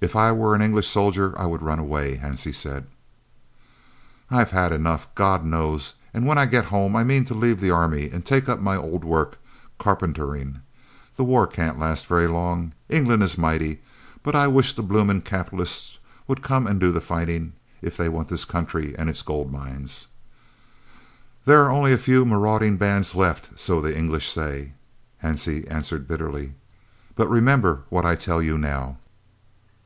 "If I were an English soldier, I would run away," Hansie said. "I've had enough, God knows, and when I get home I mean to leave the Army and take up my old work carpentering. The war can't last very long. England is mighty but I wish the bloomin' capitalists would come and do the fighting, if they want this country and its gold mines." "There are only a 'few marauding bands' left, so the English say," Hansie answered bitterly. "But remember what I tell you now.